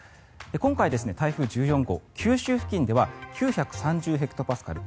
今回、台風１４号九州付近では９３０ヘクトパスカル。